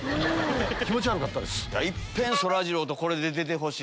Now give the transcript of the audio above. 気持ち悪かったです。